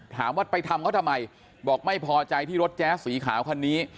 ถามว่าไปทำเขาทำไมบอกไม่พอใจที่รถแจ๊สสีขาวคันนี้